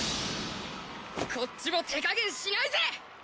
こっちも手加減しないぜ！